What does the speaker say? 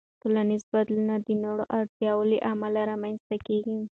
ټولنیز بدلون د نوو اړتیاوو له امله رامنځته کېږي.